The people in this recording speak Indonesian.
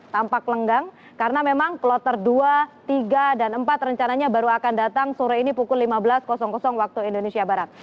tampak lenggang karena memang kloter dua tiga dan empat rencananya baru akan datang sore ini pukul lima belas waktu indonesia barat